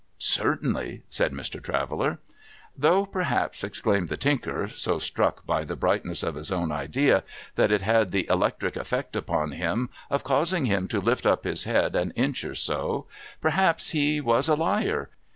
' Certainly,' said Mr. Traveller. ' Though, perhaps,' exclaimed the Tinker, so struck by the brightness of his own idea, that it had the electric eftect upon him of causing him to lift up his head an inch or so, ' perhaps he was a liar